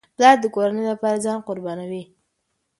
پلار د کورنۍ لپاره ځان قربانوي.